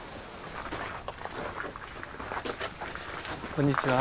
こんにちは。